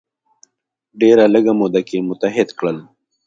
ډیره لږه موده کې متحد کړل.